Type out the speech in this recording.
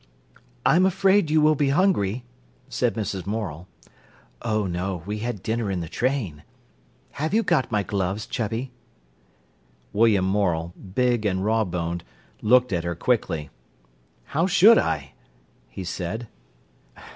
"I am afraid you will be hungry," said Mrs. Morel. "Oh no, we had dinner in the train. Have you got my gloves, Chubby?" William Morel, big and raw boned, looked at her quickly. "How should I?" he said.